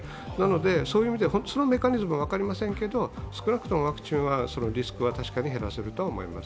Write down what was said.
そういう意味では、そのメカニズムは分かりませんけど、少なくともワクチンはリスクはたしかに減らせると思います。